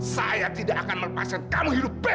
saya tidak akan melepaskan kamu hidup baik